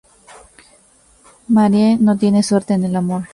Marie no tiene suerte en el amor.